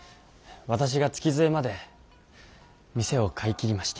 私が月末まで見世を買い切りまして。